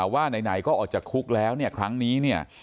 ว่าไหนก็ออกจากคุกแล้วเนี่ยครั้งนี้เนี่ย